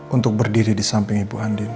untuk berdiri di samping ibu andin